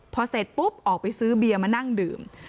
พอเสร็จปุ๊บออกไปซื้อเบียร์มานั่งดื่ม